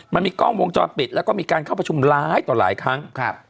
มันมีกล้องวงจรปิดแล้วก็มีการเข้าประชุมร้ายต่อหลายครั้ง